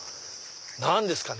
何ですかね？